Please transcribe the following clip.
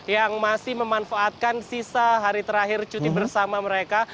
yang masih memanfaatkan sisa hari terakhir cuti bersama mereka